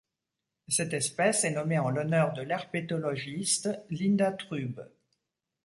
Cette espèce est nommée en l'honneur de l'herpétologiste Linda Trueb.